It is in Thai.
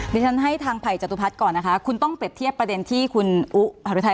ดิฉันให้ทางไผ่จตุพัฒน์ก่อนนะคะคุณต้องเปรียบเทียบประเด็นที่คุณอุฮรุไทย